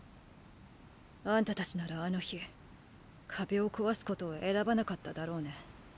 あんたたちならあの日壁を壊すことを選ばなかっただろうね。